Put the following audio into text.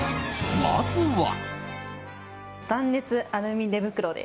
まずは。